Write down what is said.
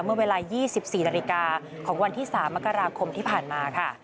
เมื่อเวลา๒๔นาฬิกาของวันที่๓มกราคมที่ผ่านมาค่ะ